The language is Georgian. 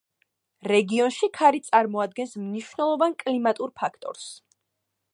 რეგიონში ქარი წარმოადგენს მნიშვნელოვან კლიმატურ ფაქტორს.